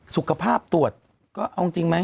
สุขภาพตรวจก็เอาจริงไหม